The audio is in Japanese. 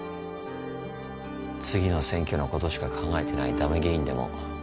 次の選挙のことしか考えてないだめ議員でも。